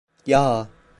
Yaa…